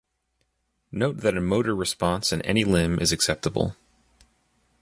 Note that a motor response in any limb is acceptable.